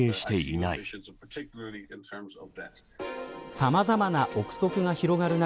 さまざまな臆測が広がる中